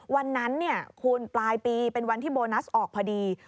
วันนั้นคุณปลายปีเป็นวันที่โบนัสออกพอดี